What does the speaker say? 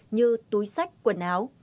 như túi sách quần áo